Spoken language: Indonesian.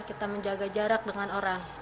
kita menjaga jarak dengan orang